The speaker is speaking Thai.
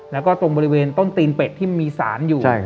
แล้วก็ตรงบริเวณต้นตีนเป็ดที่มีสารอยู่